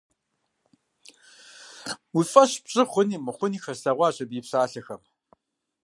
Уи фӀэщ пщӀы хъуни мыхъуни хэслъэгъуащ абы и псалъэхэм.